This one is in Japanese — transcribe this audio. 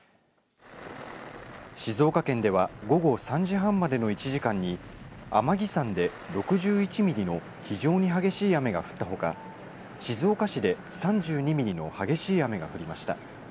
静岡県では午後３時半までの１時間に天城山で６１ミリの非常に激しい雨が降ったほか静岡市で３２ミリの激しい雨が降りました。